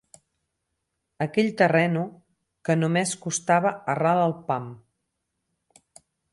Aquell terreno, que no més costava a ral el pam